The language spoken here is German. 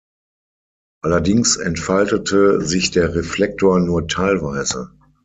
Allerdings entfaltete sich der Reflektor nur teilweise.